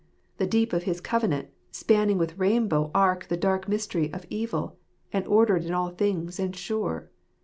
The deep of his covenant, spanning with rainbow arc the dark mystery of evil, and ordered in all things and sure.